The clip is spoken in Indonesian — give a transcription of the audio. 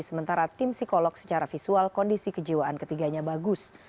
sementara tim psikolog secara visual kondisi kejiwaan ketiganya bagus